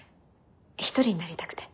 一人になりたくて。